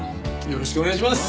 よろしくお願いします。